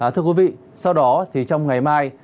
thưa quý vị sau đó thì trong ngày mai